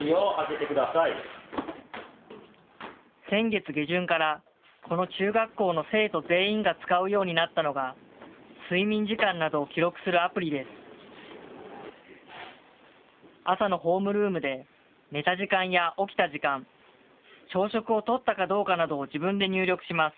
先月下旬から、この中学校の生徒全員が使うようになったのが、睡眠時間などを記録するアプリです。